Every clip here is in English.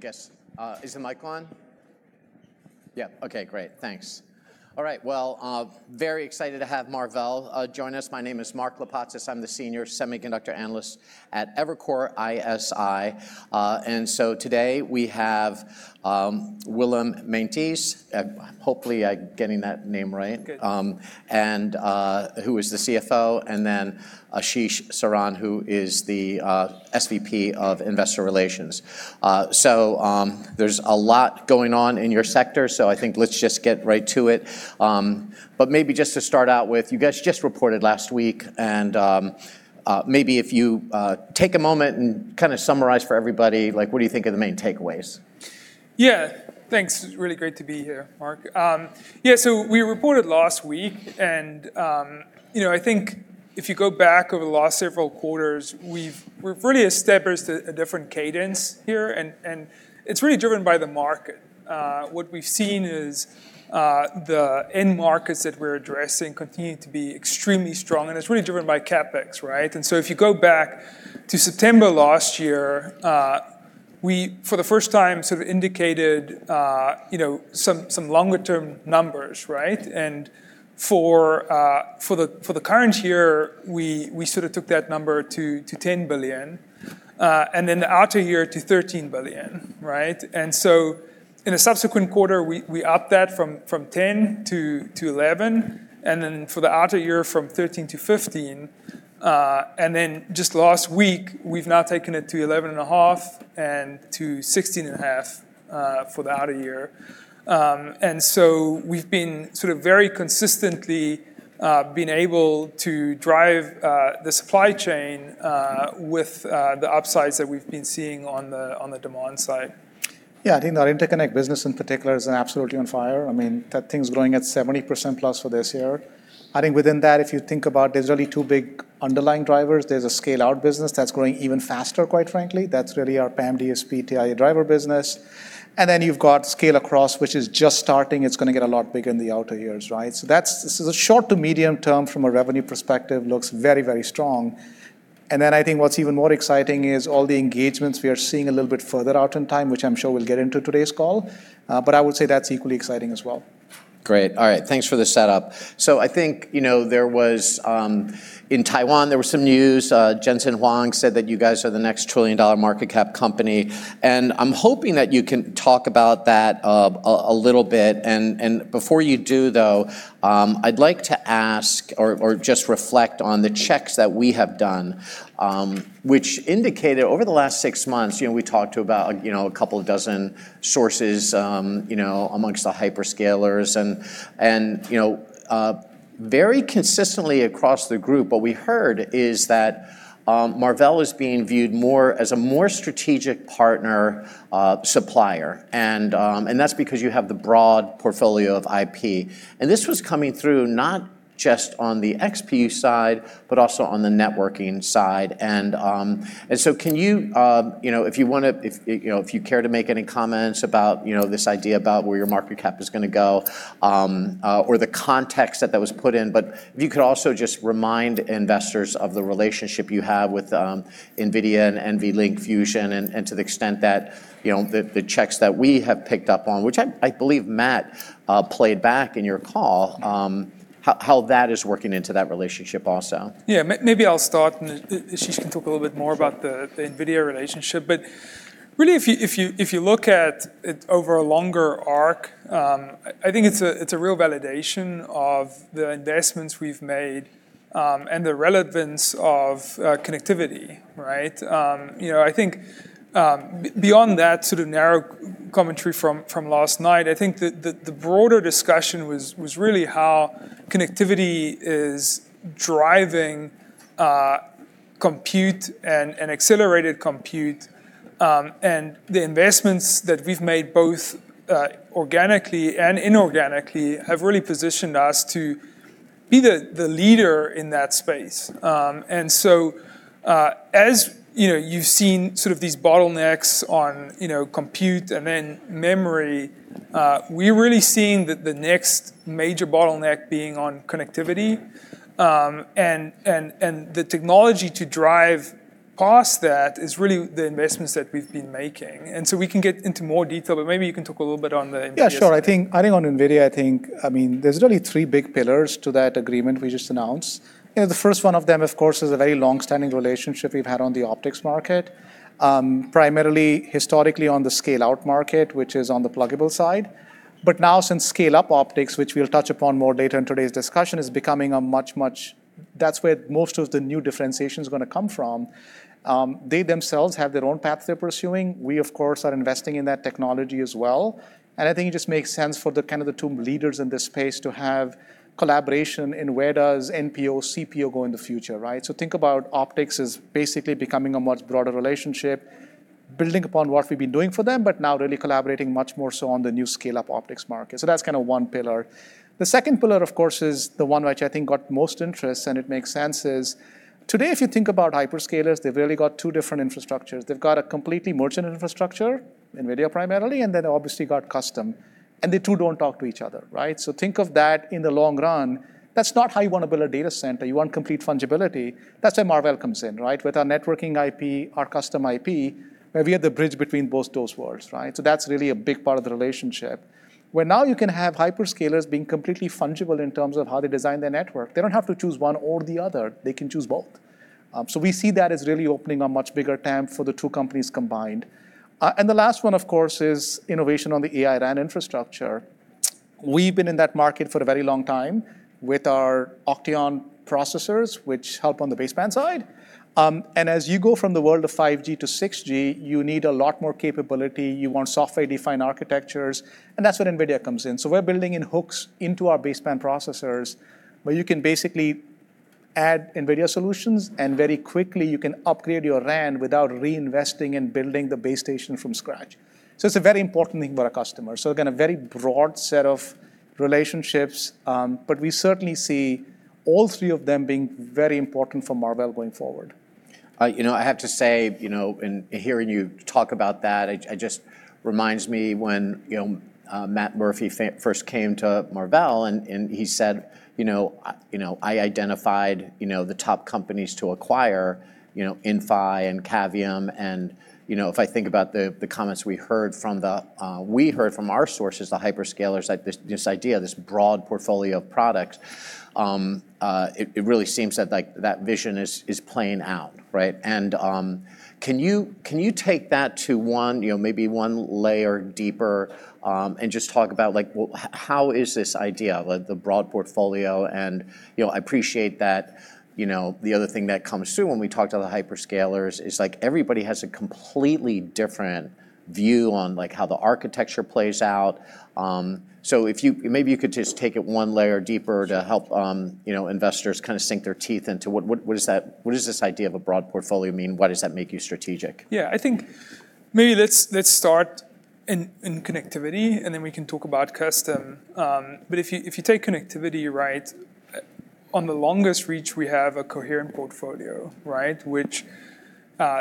I guess. Is the mic on? Yeah. Okay, great. Thanks. All right. Well, very excited to have Marvell join us. My name is Mark Lipacis. I'm the senior semiconductor analyst at Evercore ISI. Today we have Willem Meintjes. Hopefully, I'm getting that name right. Good. Who is the CFO, and then Ashish Saran, who is the SVP of Investor Relations. There's a lot going on in your sector, so I think let's just get right to it. Maybe just to start out with, you guys just reported last week, and maybe if you take a moment and summarize for everybody, what do you think are the main takeaways? Thanks. It's really great to be here, Mark. We reported last week, I think if you go back over the last several quarters, we've really established a different cadence here, it's really driven by the market. What we've seen is the end markets that we're addressing continue to be extremely strong, it's really driven by CapEx, right? If you go back to September last year, we, for the first time, indicated some longer-term numbers, right? For the current year, we took that number to $10 billion, the outer year to $13 billion, right? In a subsequent quarter, we upped that from $10 billion to $11 billion, for the outer year from $13 billion to $15 billion. Just last week, we've now taken it to $11.5 billion and to $16.5 billion for the outer year. We've been very consistently been able to drive the supply chain with the upsides that we've been seeing on the demand side. Yeah, I think our interconnect business, in particular, is absolutely on fire. That thing's growing at 70%+ for this year. I think within that, if you think about it, there's really two big underlying drivers. There's a scale-out business that's growing even faster, quite frankly. That's really our PAM4 DSP TIA driver business. Then you've got scale-across, which is just starting. It's going to get a lot bigger in the outer years, right? The short to medium term from a revenue perspective looks very strong. Then I think what's even more exciting is all the engagements we are seeing a little bit further out in time, which I'm sure we'll get into in today's call. I would say that's equally exciting as well. Great. All right. Thanks for the setup. I think, in Taiwan, there was some news. Jensen Huang said that you guys are the next trillion-dollar market cap company, and I'm hoping that you can talk about that a little bit. Before you do, though, I'd like to ask or just reflect on the checks that we have done, which indicated over the last six months, we talked to about a couple of dozen sources amongst the hyperscalers. Very consistently across the group, what we heard is that Marvell is being viewed more as a more strategic partner supplier. That's because you have the broad portfolio of IP. This was coming through not just on the XPU side, but also on the networking side. Can you, if you care to make any comments about this idea about where your market cap is going to go or the context that that was put in. If you could also just remind investors of the relationship you have with NVIDIA and NVLink Fusion, and to the extent that the checks that we have picked up on, which I believe Matt played back in your call, how that is working into that relationship also. Maybe I'll start, Ashish can talk a little bit more about the NVIDIA relationship. Really, if you look at it over a longer arc, I think it's a real validation of the investments we've made and the relevance of connectivity, right? I think beyond that sort of narrow commentary from last night, I think that the broader discussion was really how connectivity is driving compute and accelerated compute, the investments that we've made, both organically and inorganically, have really positioned us to be the leader in that space. As you've seen these bottlenecks on compute and then memory, we're really seeing the next major bottleneck being on connectivity. The technology to drive past that is really the investments that we've been making. We can get into more detail, maybe you can talk a little bit on the NVIDIA side. Yeah, sure. I think on NVIDIA, there's really three big pillars to that agreement we just announced. The first one of them, of course, is a very long-standing relationship we've had on the optics market. Primarily, historically on the scale-out market, which is on the pluggable side. Now since scale-up optics, which we'll touch upon more later in today's discussion, is becoming. That's where most of the new differentiation is going to come from. They themselves have their own path they're pursuing. We, of course, are investing in that technology as well. I think it just makes sense for the two leaders in this space to have collaboration in where does NPO, CPO go in the future, right? Think about optics as basically becoming a much broader relationship, building upon what we've been doing for them, but now really collaborating much more so on the new scale-up optics market. That's one pillar. The second pillar, of course, is the one which I think got most interest, and it makes sense, is today, if you think about hyperscalers, they've really got two different infrastructures. They've got a completely merchant infrastructure, NVIDIA primarily, and then obviously got custom. The two don't talk to each other. Think of that in the long run. That's not how you want to build a data center. You want complete fungibility. That's where Marvell comes in. With our networking IP, our custom IP, where we are the bridge between both those worlds. That's really a big part of the relationship. Where now you can have hyperscalers being completely fungible in terms of how they design their network. They don't have to choose one or the other. They can choose both. We see that as really opening a much bigger TAM for the two companies combined. The last one, of course, is innovation on the AI-RAN infrastructure. We've been in that market for a very long time with our OCTEON processors, which help on the baseband side. As you go from the world of 5G to 6G, you need a lot more capability. You want software-defined architectures, and that's where NVIDIA comes in. We're building in hooks into our baseband processors where you can basically add NVIDIA solutions and very quickly you can upgrade your RAN without reinvesting and building the base station from scratch. It's a very important thing for our customer. Again, a very broad set of relationships, but we certainly see all three of them being very important for Marvell going forward. I have to say, in hearing you talk about that, reminds me when Matt Murphy first came to Marvell, and he said, "I identified the top companies to acquire, Inphi and Cavium." If I think about the comments we heard from our sources, the hyperscalers, this idea, this broad portfolio of products, it really seems that vision is playing out. Can you take that to maybe one layer deeper and just talk about how is this idea, the broad portfolio and I appreciate that the other thing that comes through when we talk to the hyperscalers is everybody has a completely different view on how the architecture plays out. If maybe you could just take it one layer deeper to help investors sink their teeth into what does this idea of a broad portfolio mean? Why does that make you strategic? Yeah, I think maybe let's start in connectivity, then we can talk about custom. If you take connectivity, on the longest reach, we have a coherent portfolio.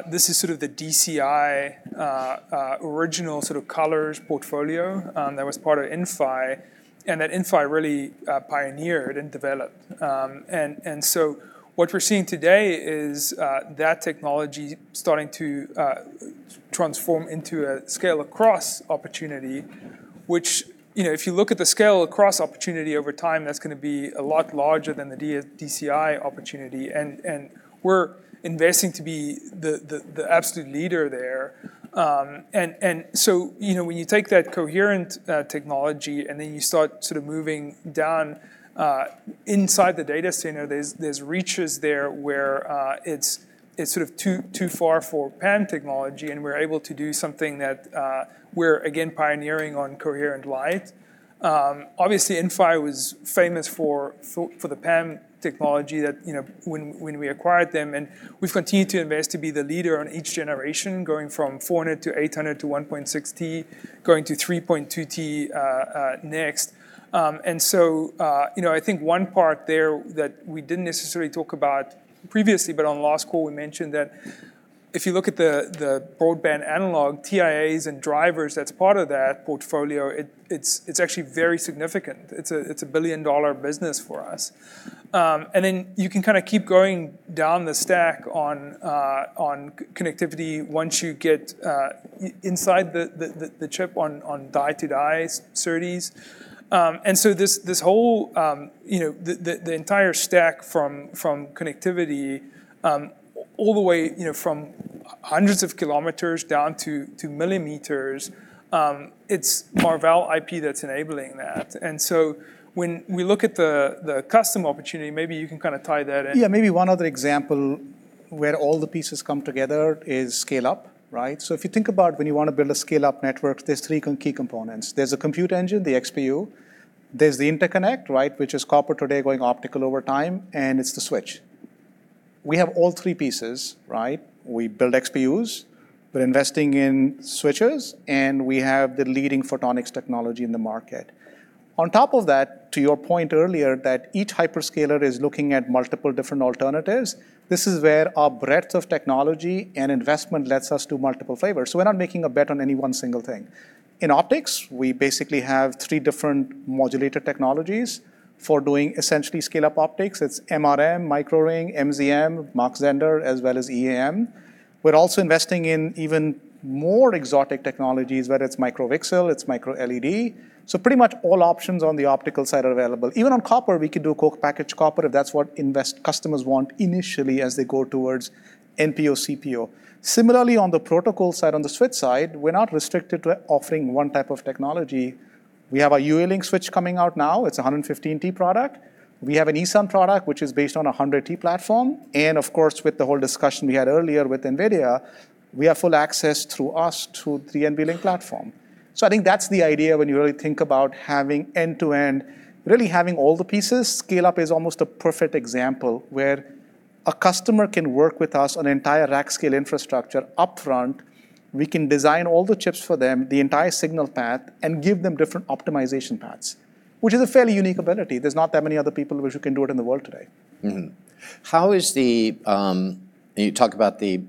This is sort of the DCI, original sort of COLORZ portfolio, that was part of Inphi, that Inphi really pioneered and developed. What we're seeing today is that technology starting to transform into a scale-across opportunity, if you look at the scale-across opportunity over time, that's going to be a lot larger than the DCI opportunity. We're investing to be the absolute leader there. When you take that coherent technology then you start sort of moving down inside the data center, there's reaches there where it's sort of too far for PAM technology, we're able to do something that we're again pioneering on coherent light. Obviously, Inphi was famous for the PAM technology when we acquired them, and we've continued to invest to be the leader on each generation, going from 400 to 800 to 1.6T, going to 3.2T next. I think one part there that we didn't necessarily talk about previously, but on the last call, we mentioned that if you look at the broadband analog TIAs and drivers that's part of that portfolio, it's actually very significant. It's a billion-dollar business for us. You can kind of keep going down the stack on connectivity once you get inside the chip on die to die SerDes. The entire stack from connectivity all the way from hundreds of kilometers down to millimeters, it's Marvell IP that's enabling that. When we look at the custom opportunity, maybe you can kind of tie that in. Yeah, maybe one other example where all the pieces come together is scale-up. If you think about when you want to build a scale-up network, there's three key components. There's a compute engine, the XPU, there's the interconnect, which is copper today, going optical over time, and it's the switch. We have all three pieces. We build XPUs, we're investing in switches, and we have the leading photonics technology in the market. On top of that, to your point earlier, that each hyperscaler is looking at multiple different alternatives. This is where our breadth of technology and investment lets us do multiple flavors. We're not making a bet on any one single thing. In optics, we basically have three different modulator technologies for doing essentially scale-up optics. It's MRM, micro-ring, MZM, Mach-Zehnder, as well as EAM. We're also investing in even more exotic technologies, whether it's Micro-VCSEL, it's Micro-LED. Pretty much all options on the optical side are available. Even on copper, we could do co-packaged copper if that's what invest customers want initially as they go towards NPO, CPO. Similarly, on the protocol side, on the switch side, we're not restricted to offering one type of technology. We have a UALink switch coming out now. It's 115T product. We have an eSAM product, which is based on 100T platform. Of course, with the whole discussion we had earlier with NVIDIA, we have full access through us to the NVLink platform. I think that's the idea when you really think about having end-to-end, really having all the pieces. Scale-up is almost a perfect example where a customer can work with us on entire rack scale infrastructure upfront. We can design all the chips for them, the entire signal path, and give them different optimization paths, which is a fairly unique ability. There's not that many other people which can do it in the world today. Mm-hmm. You talk about the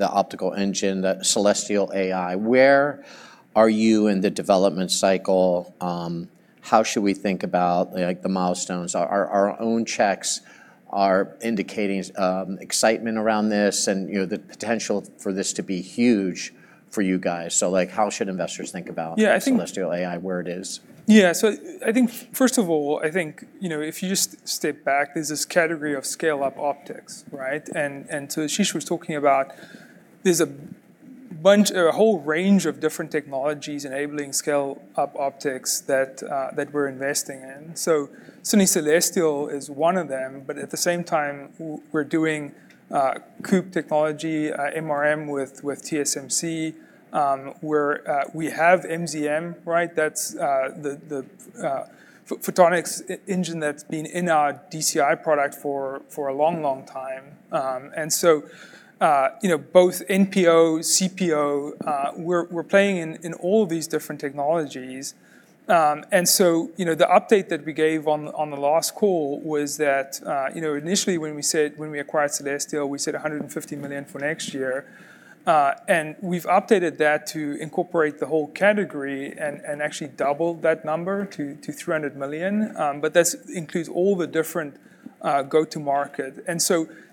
optical engine, that Celestial AI. Where are you in the development cycle? How should we think about the milestones? Our own checks are indicating excitement around this and the potential for this to be huge for you guys. How should investors think about? Yeah. Celestial AI, where it is? I think, first of all, if you just step back, there's this category of scale-up optics, right? Ashish was talking about, there's a whole range of different technologies enabling scale-up optics that we're investing in. Certainly Celestial is one of them. At the same time, we're doing COUPE technology, MRM with TSMC, where we have MZM, right? That's the photonics engine that's been in our DCI product for a long time. Both NPO, CPO, we're playing in all these different technologies. The update that we gave on the last call was that initially when we acquired Celestial, we said $150 million for next year. We've updated that to incorporate the whole category and actually doubled that number to $300 million. That includes all the different go-to-market.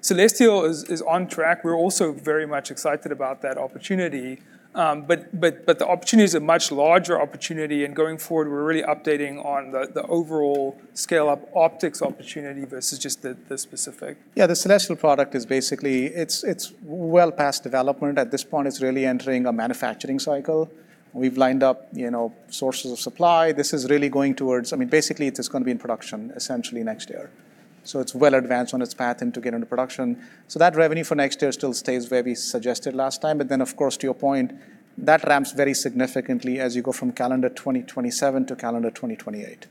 Celestial is on track. We're also very much excited about that opportunity. The opportunity is a much larger opportunity. Going forward, we're really updating on the overall scale-up optics opportunity versus just the specific. The Celestial product, it's well past development. At this point, it's really entering a manufacturing cycle. We've lined up sources of supply. Basically, it is going to be in production essentially next year. It's well advanced on its path and to get into production. That revenue for next year still stays where we suggested last time. Of course, to your point, that ramps very significantly as you go from calendar 2027 to calendar 2028.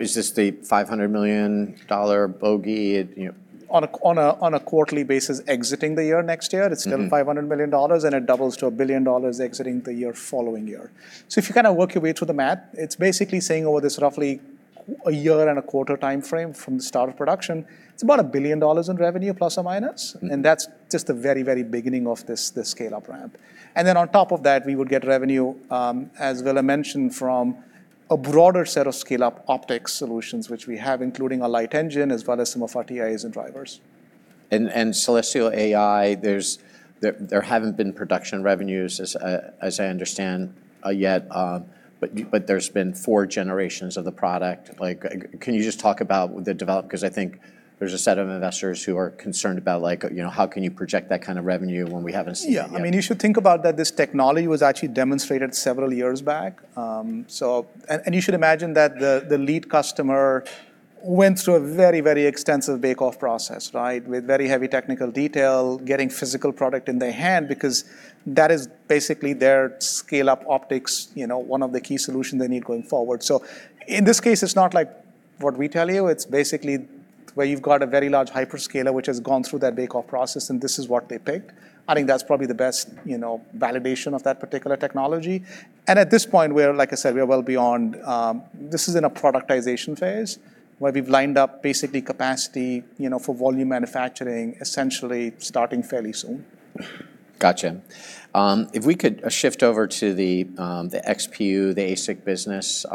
Is this the $500 million bogey? On a quarterly basis exiting the year next year, it's still $500 million, and it doubles to $1 billion exiting the year following year. If you work your way through the math, it's basically saying over this roughly a year and a quarter timeframe from the start of production, it's about $1 billion in revenue, plus or minus. That's just the very beginning of this scale-up ramp. Then on top of that, we would get revenue, as Willem mentioned, from a broader set of scale-up optics solutions, which we have, including our light engine as well as some of our TIAs and drivers. Celestial AI, there haven't been production revenues, as I understand, yet. There's been four generations of the product. Can you just talk about the development? I think there's a set of investors who are concerned about how can you project that kind of revenue when we haven't seen it yet. Yeah. You should think about that this technology was actually demonstrated several years back. You should imagine that the lead customer went through a very extensive bake-off process, right? With very heavy technical detail, getting physical product in their hand, because that is basically their scale-up optics, one of the key solutions they need going forward. In this case, it's not like what we tell you. It's basically where you've got a very large hyperscaler, which has gone through that bake-off process, and this is what they picked. I think that's probably the best validation of that particular technology. At this point, like I said, we are well beyond. This is in a productization phase where we've lined up basically capacity for volume manufacturing, essentially starting fairly soon. Got you. If we could shift over to the XPU, the ASIC business.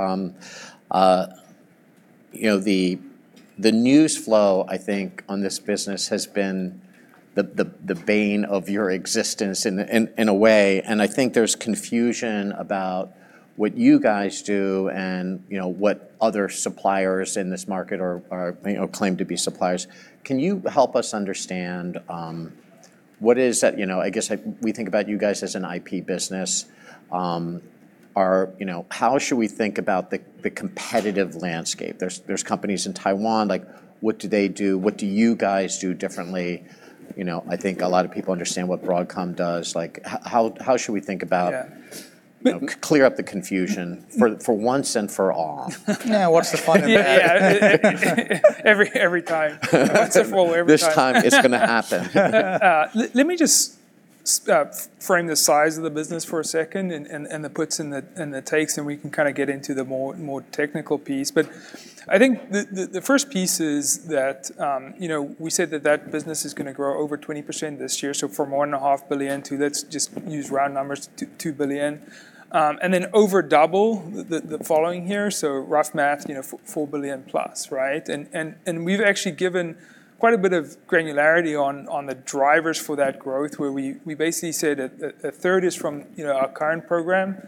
The news flow, I think, on this business has been the bane of your existence in a way. I think there's confusion about what you guys do and what other suppliers in this market or claim to be suppliers. Can you help us understand I guess we think about you guys as an IP business. How should we think about the competitive landscape? There's companies in Taiwan. What do they do? What do you guys do differently? I think a lot of people understand what Broadcom does, like how should we think about- Yeah. To clear up the confusion for once and for all? Yeah, what's the fun in that? Yeah. Every time. Once and for all every time. This time it's going to happen. Let me just frame the size of the business for a second and the puts and the takes, and we can get into the more technical piece. I think the first piece is that we said that that business is going to grow over 20% this year. From $1.5 billion to, let's just use round numbers, $2 billion. Then over double the following year. Rough math, $4 billion-plus, right? We've actually given quite a bit of granularity on the drivers for that growth, where we basically said a third is from our current program,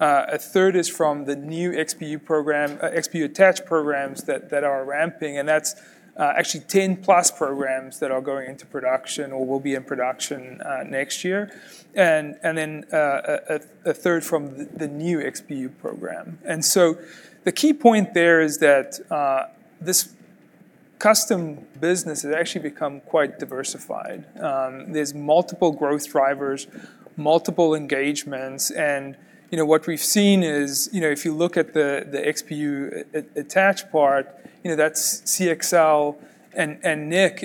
a third is from the new XPU attach programs that are ramping. That's actually 10+ programs that are going into production or will be in production next year. Then a third from the new XPU program. The key point there is that this custom business has actually become quite diversified. There's multiple growth drivers, multiple engagements, and what we've seen is, if you look at the XPU attached part, that's CXL and NIC.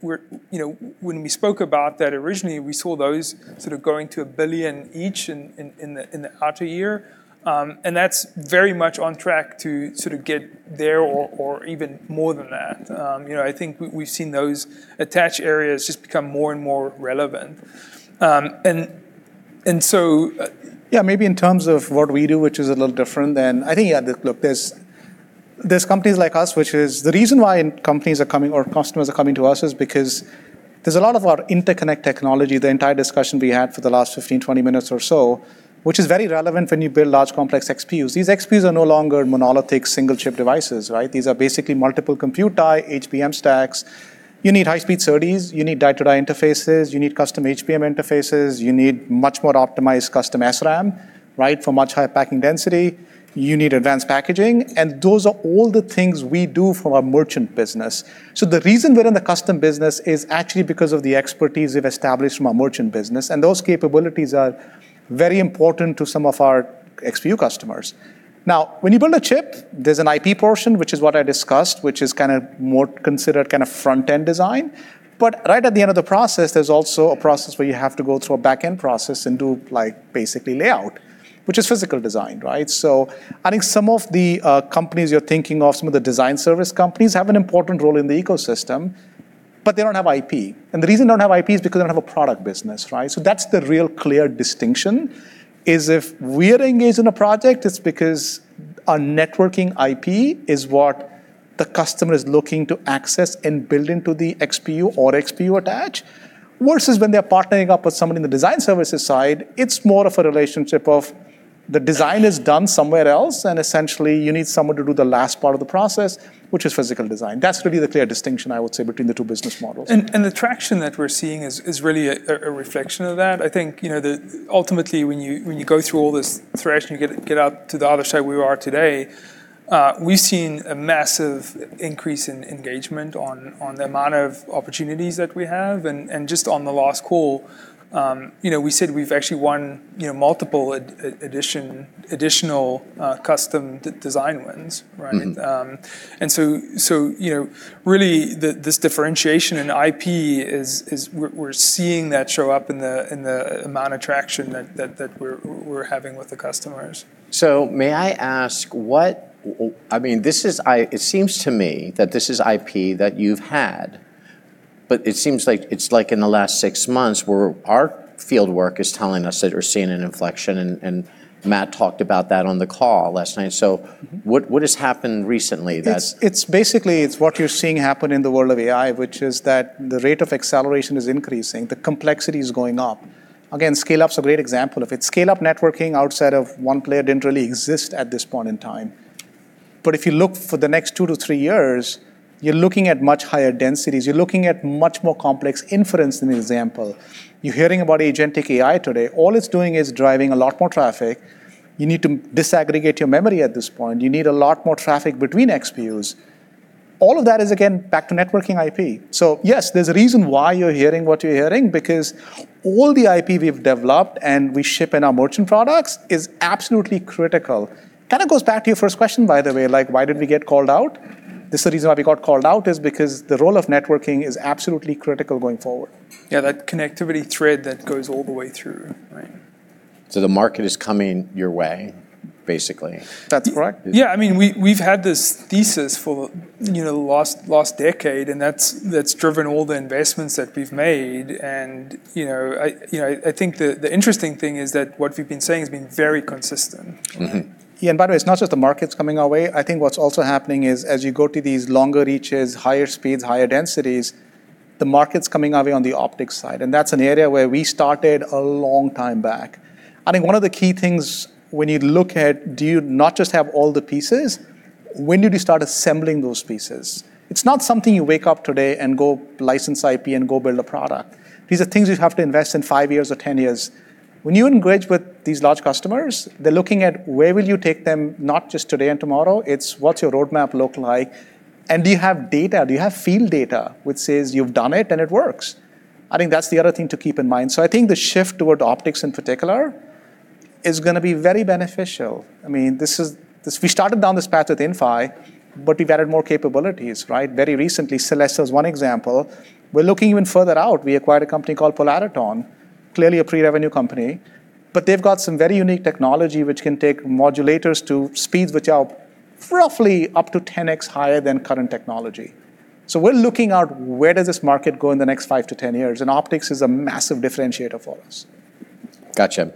When we spoke about that originally, we saw those sort of going to $1 billion each in the outer year. That's very much on track to sort of get there or even more than that. I think we've seen those attached areas just become more and more relevant. Maybe in terms of what we do, which is a little different than, I think, yeah, look, there's companies like us, which is the reason why companies are coming or customers are coming to us is because there's a lot of our interconnect technology, the entire discussion we had for the last 15, 20 minutes or so, which is very relevant when you build large complex XPUs. These XPUs are no longer monolithic single chip devices, right? These are basically multiple compute die HBM stacks. You need high speed SerDes, you need die-to-die interfaces, you need custom HBM interfaces. You need much more optimized custom SRAM, right? For much higher packing density. You need advanced packaging. Those are all the things we do for our merchant business. The reason we're in the custom business is actually because of the expertise we've established from our merchant business, and those capabilities are very important to some of our XPU customers. When you build a chip, there's an IP portion, which is what I discussed, which is kind of more considered kind of front-end design. Right at the end of the process, there's also a process where you have to go through a back-end process and do basically layout, which is physical design, right? I think some of the companies you're thinking of, some of the design service companies, have an important role in the ecosystem, but they don't have IP. The reason they don't have IP is because they don't have a product business, right? That is the real clear distinction is if we are engaged in a project, it is because our networking IP is what the customer is looking to access and build into the XPU or XPU attach. Versus when they are partnering up with someone in the design services side, it is more of a relationship of the design is done somewhere else, and essentially you need someone to do the last part of the process, which is physical design. That is really the clear distinction, I would say, between the two business models. The traction that we're seeing is really a reflection of that. I think that ultimately when you go through all this thresh and you get out to the other side where we are today, we've seen a massive increase in engagement on the amount of opportunities that we have. Just on the last call, we said we've actually won multiple additional custom design wins, right? Really this differentiation in IP is we're seeing that show up in the amount of traction that we're having with the customers. It seems to me that this is IP that you've had, but it seems like it's like in the last six months where our fieldwork is telling us that we're seeing an inflection, and Matt talked about that on the call last night. What has happened recently that? It's basically what you're seeing happen in the world of AI, which is that the rate of acceleration is increasing. The complexity is going up. Again, scale-up's a great example of it. Scale-up networking outside of one player didn't really exist at this point in time. If you look for the next two to three years, you're looking at much higher densities. You're looking at much more complex inference in the example. You're hearing about agentic AI today. All it's doing is driving a lot more traffic. You need to disaggregate your memory at this point. You need a lot more traffic between XPUs. All of that is, again, back to networking IP. Yes, there's a reason why you're hearing what you're hearing because all the IP we've developed and we ship in our merchant products is absolutely critical. Kind of goes back to your first question, by the way, like why did we get called out? This is the reason why we got called out is because the role of networking is absolutely critical going forward. Yeah. That connectivity thread that goes all the way through. Right. The market is coming your way, basically. That's correct. Yeah. We've had this thesis for the last decade, and that's driven all the investments that we've made. I think the interesting thing is that what we've been saying has been very consistent. Yeah, by the way, it's not just the market's coming our way. I think what's also happening is as you go to these longer reaches, higher speeds, higher densities, the market's coming our way on the optics side. That's an area where we started a long time back. I think one of the key things when you look at do you not just have all the pieces, when did you start assembling those pieces? It's not something you wake up today and go license IP and go build a product. These are things you have to invest in five years or 10 years. When you engage with these large customers, they're looking at where will you take them, not just today and tomorrow. It's what's your roadmap look like? Do you have data? Do you have field data which says you've done it and it works? I think that's the other thing to keep in mind. I think the shift toward optics in particular is going to be very beneficial. We started down this path with Inphi, but we've added more capabilities, right? Very recently, Celestial AI is one example. We're looking even further out. We acquired a company called Polariton, clearly a pre-revenue company, but they've got some very unique technology which can take modulators to speeds which are roughly up to 10X higher than current technology. We're looking at where does this market go in the next 5-10 years? Optics is a massive differentiator for us. Gotcha.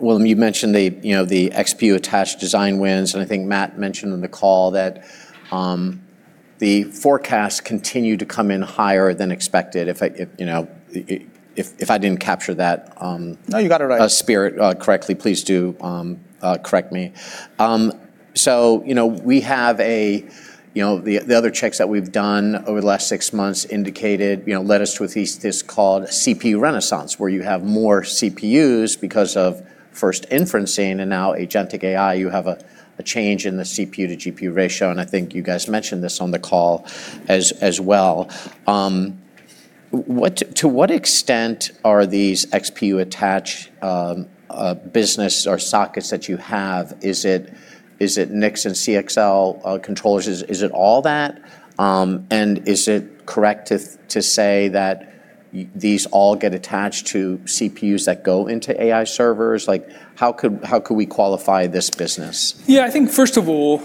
Willem, you mentioned the XPU attached design wins, and I think Matt mentioned on the call that the forecasts continue to come in higher than expected, if I didn't capture that- No, you got it right. Spirit correctly, please do correct me. We have the other checks that we've done over the last six months indicated led us to this called CPU renaissance, where you have more CPUs because of first inferencing and now agentic AI. You have a change in the CPU to GPU ratio, and I think you guys mentioned this on the call as well. To what extent are these XPU attach business or sockets that you have? Is it NICs and CXL controllers? Is it all that? Is it correct to say that these all get attached to CPUs that go into AI servers? How could we qualify this business? Yeah, I think first of all,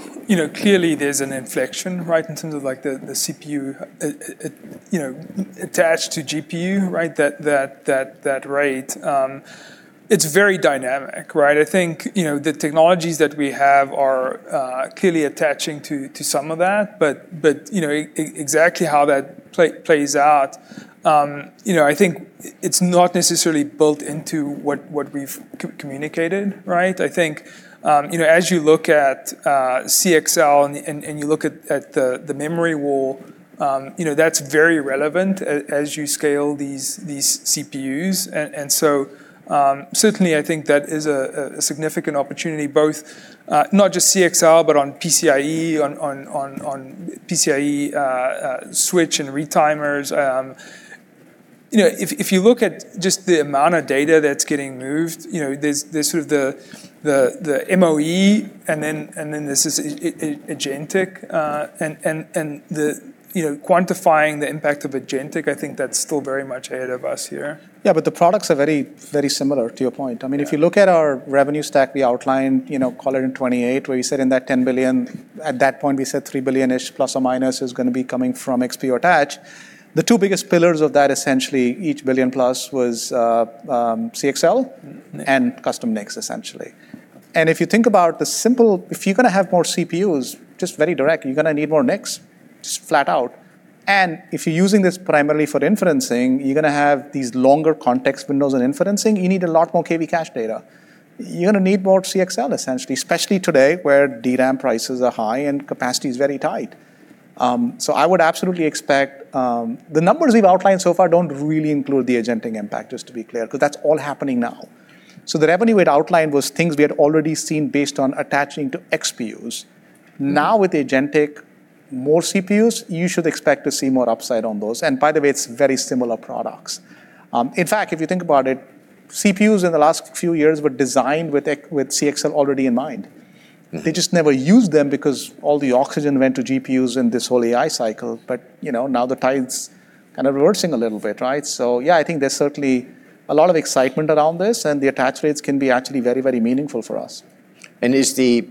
clearly there's an inflection, right? In terms of the CPU attached to GPU, right? That rate. It's very dynamic, right? I think, the technologies that we have are clearly attaching to some of that, but exactly how that plays out, I think it's not necessarily built into what we've communicated, right? I think, as you look at CXL and you look at the memory wall, that's very relevant as you scale these CPUs. Certainly I think that is a significant opportunity, both not just CXL, but on PCIe, on PCIe switch and retimers. If you look at just the amount of data that's getting moved, there's sort of the MOE and then there's agentic, and quantifying the impact of agentic, I think that's still very much ahead of us here. Yeah, the products are very similar, to your point. If you look at our revenue stack, we outlined, call it in 2028, where we said in that $10 billion, at that point, we said $3 billion-ish, plus or minus, is going to be coming from XPU attach. The two biggest pillars of that, essentially, each $1 billion plus was CXL and custom NICs, essentially. If you think about the simple. If you're going to have more CPUs, just very direct, you're going to need more NICs, just flat out. If you're using this primarily for inferencing, you're going to have these longer context windows in inferencing. You need a lot more KV cache data. You're going to need more CXL, essentially, especially today, where DRAM prices are high and capacity is very tight. I would absolutely expect. The numbers we've outlined so far don't really include the agentic impact, just to be clear, because that's all happening now. The revenue we'd outlined was things we had already seen based on attaching to XPUs. Now with agentic, more CPUs, you should expect to see more upside on those. By the way, it's very similar products. In fact, if you think about it, CPUs in the last few years were designed with CXL already in mind. They just never used them because all the oxygen went to GPUs in this whole AI cycle. Now the tide's kind of reversing a little bit, right? Yeah, I think there's certainly a lot of excitement around this, and the attach rates can be actually very, very meaningful for us. Is the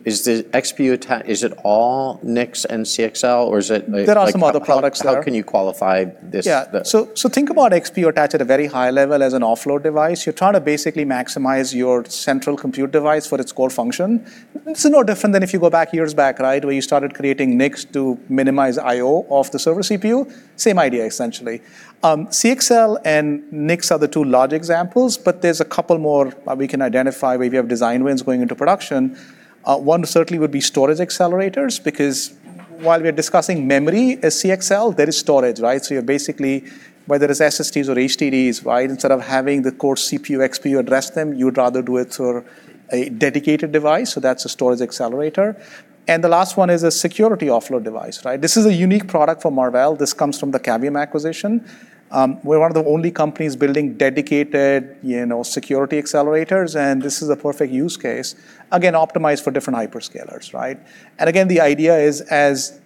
XPU attach, is it all NICs and CXL? There are some other products there. How can you qualify this? Yeah. Think about XPU attach at a very high level as an offload device. You're trying to basically maximize your central compute device for its core function. It's no different than if you go back years back, right, where you started creating NICs to minimize IO of the server CPU. Same idea, essentially. CXL and NICs are the two large examples, there's a couple more we can identify where we have design wins going into production. One certainly would be storage accelerators, because while we're discussing memory as CXL, there is storage, right? You're basically, whether it's SSDs or HDDs, right, instead of having the core CPU, XPU address them, you'd rather do it through a dedicated device. That's a storage accelerator. The last one is a security offload device, right? This is a unique product for Marvell. This comes from the Cavium acquisition. We're one of the only companies building dedicated security accelerators, and this is a perfect use case. Again, optimized for different hyperscalers, right? Again, the idea is as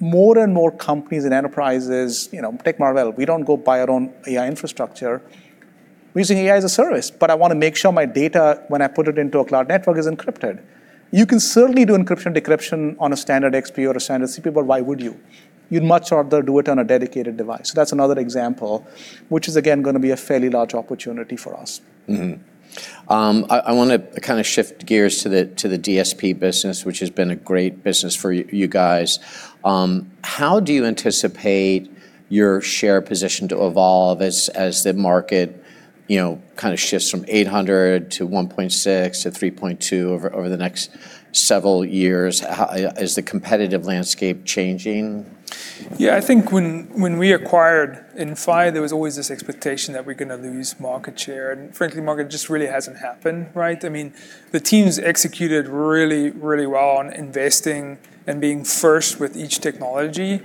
more and more companies and enterprises, take Marvell, we don't go buy our own AI infrastructure. We're using AI as a service, but I want to make sure my data, when I put it into a cloud network, is encrypted. You can certainly do encryption/decryption on a standard XPU or a standard CPU, but why would you? You'd much rather do it on a dedicated device. That's another example, which is again going to be a fairly large opportunity for us. I want to shift gears to the DSP business, which has been a great business for you guys. How do you anticipate your share position to evolve as the market shifts from 800 to 1.6 to 3.2 over the next several years? Is the competitive landscape changing? Yeah, I think when we acquired Inphi, there was always this expectation that we're going to lose market share, and frankly, Mark, it just really hasn't happened, right? The teams executed really well on investing and being first with each technology.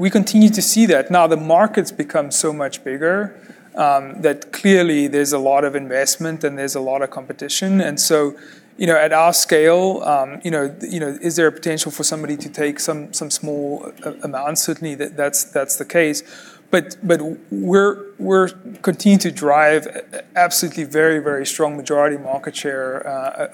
We continue to see that. Now the market's become so much bigger that clearly there's a lot of investment and there's a lot of competition. At our scale, is there a potential for somebody to take some small amount? Certainly, that's the case. We're continuing to drive absolutely very strong majority market share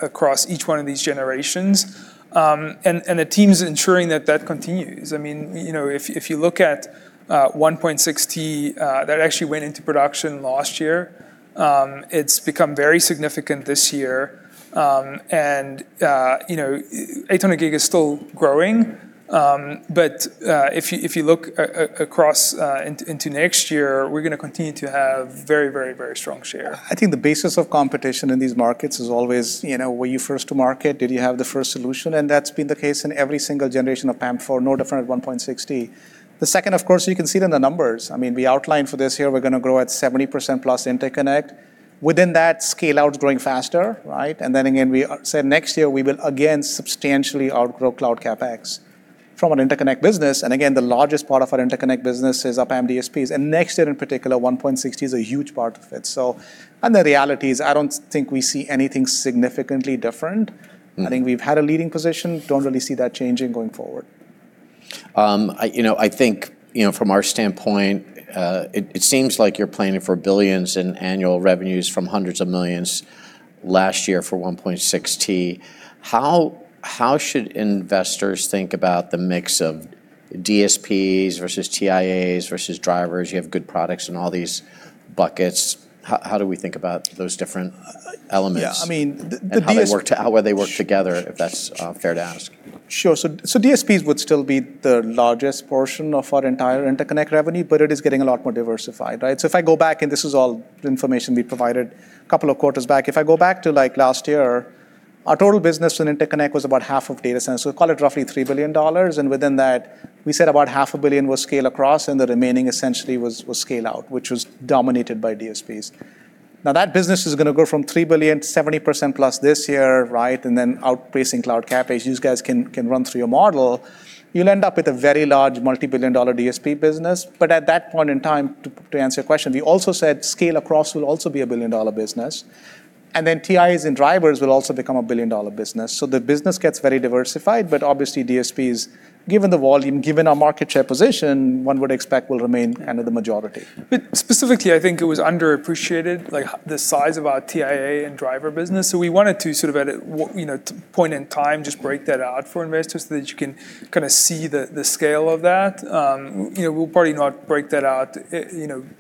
across each one of these generations. The team's ensuring that that continues. If you look at 1.6T, that actually went into production last year. It's become very significant this year. 800G is still growing. If you look across into next year, we're going to continue to have very, very, very strong share. I think the basis of competition in these markets is always, were you first to market? Did you have the first solution? That's been the case in every single generation of PAM4. No different at 1.6T. The second, of course, you can see it in the numbers. We outlined for this year, we're going to grow at 70%+ interconnect. Within that scale-out is growing faster, right. Then again, we said next year we will again substantially outgrow cloud CapEx from an interconnect business. Again, the largest part of our interconnect business is our PAM4 DSPs. Next year in particular, 1.6T is a huge part of it. The reality is, I don't think we see anything significantly different. I think we've had a leading position. Don't really see that changing going forward. I think, from our standpoint, it seems like you're planning for billions in annual revenues from hundreds of millions last year for 1.6T. How should investors think about the mix of DSPs versus TIAs versus drivers? You have good products in all these buckets. How do we think about those different elements? Yeah, I mean. How they work together, if that's fair to ask? Sure. DSPs would still be the largest portion of our entire interconnect revenue, but it is getting a lot more diversified, right? If I go back, and this is all information we provided a couple of quarters back. If I go back to last year, our total business in interconnect was about half of data center, so call it roughly $3 billion. Within that, we said about $500 million was scale across, and the remaining essentially was scale out, which was dominated by DSPs. Now that business is going to go from $3 billion to 70%+ this year, right, and then outpacing cloud CapEx. You guys can run through your model. You'll end up with a very large multi-billion dollar DSP business. At that point in time, to answer your question, we also said scale-across will also be a billion-dollar business, and then TIAs and drivers will also become a billion-dollar business. The business gets very diversified. Obviously DSPs, given the volume, given our market share position, one would expect will remain kind of the majority. Specifically, I think it was underappreciated, the size of our TIA and driver business. We wanted to sort of at a point in time, just break that out for investors so that you can kind of see the scale of that. We'll probably not break that out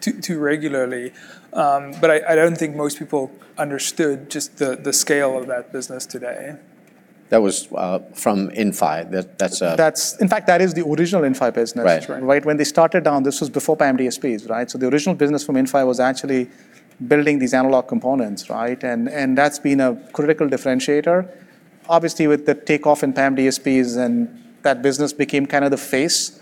too regularly. I don't think most people understood just the scale of that business today. That was from Inphi. In fact, that is the original Inphi business. Right. Right. When they started down, this was before PAM4 DSPs, right? The original business from Inphi was actually building these analog components, right? That's been a critical differentiator. Obviously, with the takeoff in PAM4 DSPs and that business became kind of the face,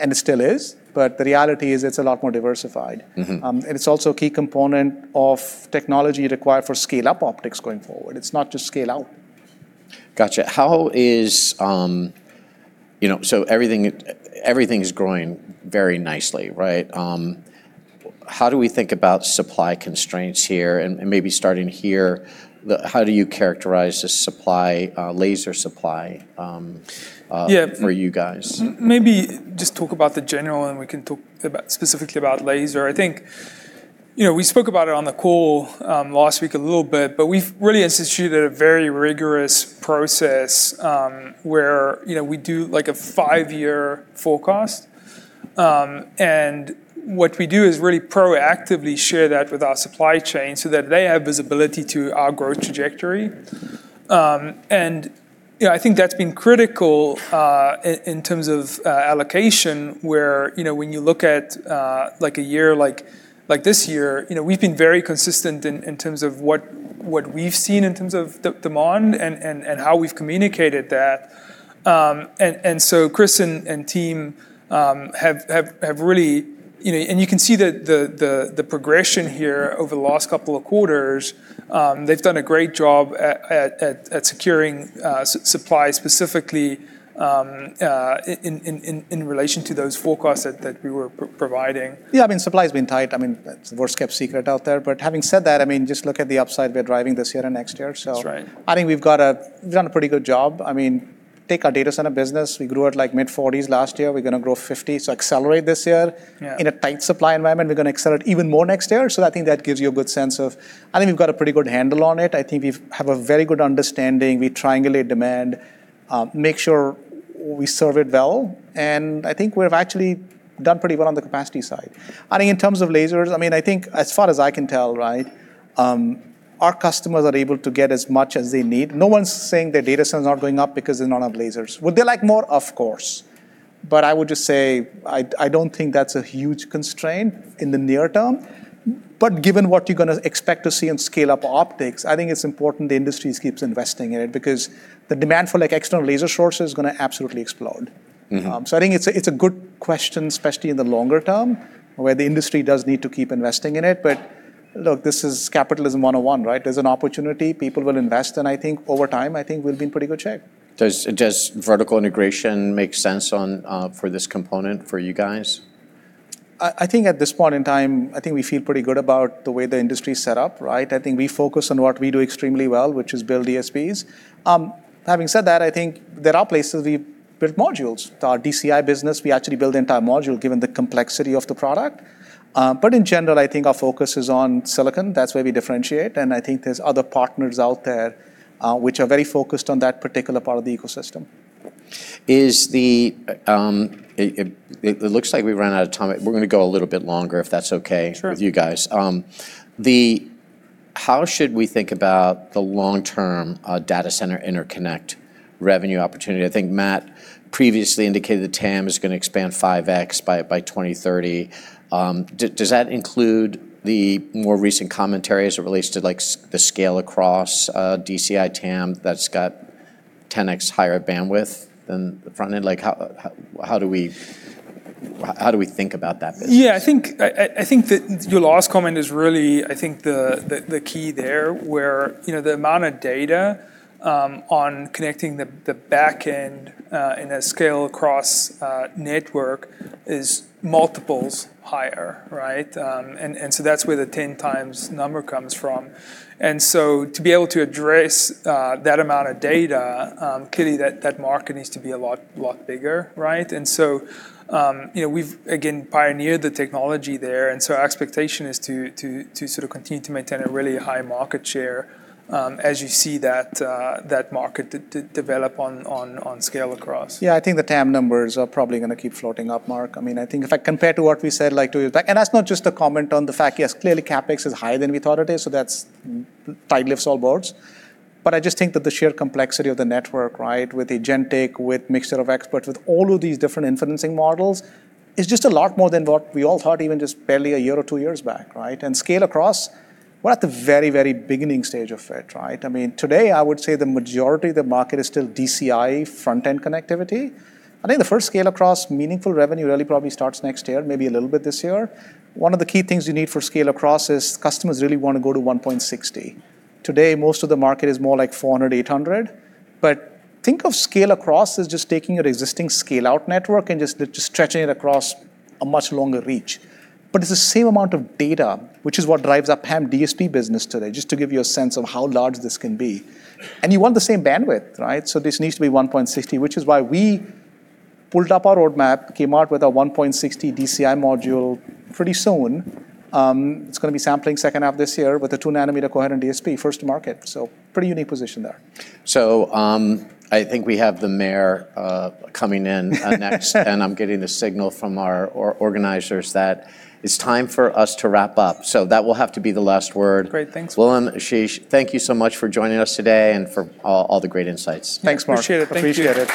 and it still is. The reality is it's a lot more diversified. It's also a key component of technology required for scale-up optics going forward. It's not just scale-out. Got you. Everything's growing very nicely, right? How do we think about supply constraints here? Maybe starting here, how do you characterize the laser supply- Yeah. For you guys? Maybe just talk about the general. We can talk specifically about laser. I think we spoke about it on the call last week a little bit. We've really instituted a very rigorous process, where we do a five-year forecast. What we do is really proactively share that with our supply chain so that they have visibility to our growth trajectory. I think that's been critical, in terms of allocation where when you look at a year like this year, we've been very consistent in terms of what we've seen in terms of demand and how we've communicated that. Chris and team have. You can see the progression here over the last couple of quarters. They've done a great job at securing supply specifically in relation to those forecasts that we were providing. Yeah, supply's been tight. It's the worst-kept secret out there. Having said that, just look at the upside we're driving this year and next year, so. That's right. I think we've done a pretty good job. Take our data center business. We grew at mid-40s last year. We're going to grow 50, accelerate this year. Yeah. In a tight supply environment, we're going to accelerate even more next year. I think we've got a pretty good handle on it. I think we have a very good understanding. We triangulate demand, make sure we serve it well. I think we've actually done pretty well on the capacity side. I think in terms of lasers, I think as far as I can tell, right, our customers are able to get as much as they need. No one's saying their data centers are not going up because they don't have lasers. Would they like more? Of course. I would just say I don't think that's a huge constraint in the near term. Given what you're going to expect to see in scale-up optics, I think it's important the industry keeps investing in it because the demand for external laser sources is going to absolutely explode. I think it's a good question, especially in the longer term, where the industry does need to keep investing in it. Look, this is capitalism 101, right? There's an opportunity, people will invest, and I think over time, I think we'll be in pretty good shape. Does vertical integration make sense for this component for you guys? I think at this point in time, I think we feel pretty good about the way the industry is set up, right? I think we focus on what we do extremely well, which is build DSPs. Having said that, I think there are places we build modules. Our DCI business, we actually build the entire module given the complexity of the product. In general, I think our focus is on silicon. That's where we differentiate, and I think there's other partners out there which are very focused on that particular part of the ecosystem. It looks like we ran out of time. We're going to go a little bit longer, if that's okay- Sure. With you guys. How should we think about the long-term data center interconnect revenue opportunity? I think Matt previously indicated that TAM is going to expand 5x by 2030. Does that include the more recent commentary as it relates to the scale-across DCI TAM that's got 10x higher bandwidth than the front end? How do we think about that business? Yeah, I think that your last comment is really the key there, where the amount of data on connecting the back end in a scale-across network is multiples higher. That's where the 10x number comes from. To be able to address that amount of data, clearly that market needs to be a lot bigger. We've, again, pioneered the technology there, and so our expectation is to sort of continue to maintain a really high market share as you see that market develop on scale-across. Yeah, I think the TAM numbers are probably going to keep floating up, Mark. I think if I compare to what we said. That's not just a comment on the fact, yes, clearly CapEx is higher than we thought it is, so that tide lifts all boats. I just think that the sheer complexity of the network with agentic, with mixture of experts, with all of these different inferencing models, is just a lot more than what we all thought even just barely one year or two years back. scale across, we're at the very beginning stage of it. Today, I would say the majority of the market is still DCI front-end connectivity. I think the first scale across meaningful revenue really probably starts next year, maybe a little bit this year. One of the key things you need for scale-across is customers really want to go to 1.6T. Today, most of the market is more like 400, 800. Think of scale-across as just taking an existing scale-out network and just stretching it across a much longer reach. It's the same amount of data, which is what drives our PAM4 DSP business today, just to give you a sense of how large this can be. You want the same bandwidth. This needs to be 1.6T, which is why we pulled up our roadmap, came out with a 1.6T DCI module pretty soon. It's going to be sampling second half of this year with a 2 nm coherent DSP first to market. Pretty unique position there. I think we have the mayor coming in next. I'm getting the signal from our organizers that it's time for us to wrap up. That will have to be the last word. Great, thanks. Willem, Ashish, thank you so much for joining us today and for all the great insights. Thanks, Mark. Appreciate it. Thank you. Appreciate it.